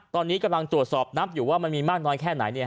ตอนนี้กำลังตรวจสอบนับอยู่ว่ามันมีมากน้อยแค่ไหน